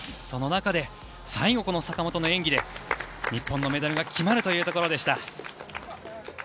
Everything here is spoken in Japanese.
その中で最後、この坂本の演技で日本のメダルが決まるというところでした。